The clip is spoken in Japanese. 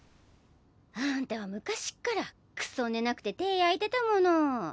あんたは昔っからクソ寝なくて手ぇ焼いてたもの。